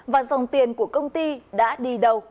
và dòng tiền của công ty đã đi đâu